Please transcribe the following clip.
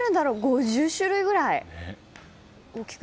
５０種類くらい？